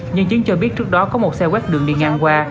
nhân chứng cho biết trước đó có một xe quét đường đi ngang qua